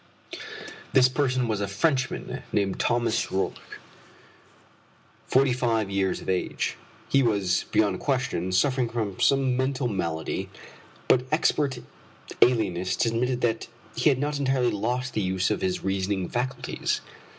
This person was a Frenchman named Thomas Roch, forty five years of age. He was, beyond question, suffering from some mental malady, but expert alienists admitted that he had not entirely lost the use of his reasoning faculties.